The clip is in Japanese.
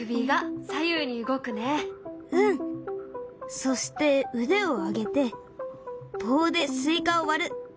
そして腕を上げて棒でスイカを割る。